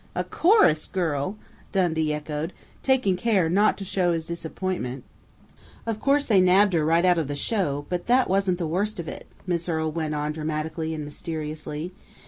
"A chorus girl!" Dundee echoed, taking care not to show his disappointment. "Of course they nabbed her right out of the show, but that wasn't the worst of it!" Miss Earle went on dramatically and mysteriously.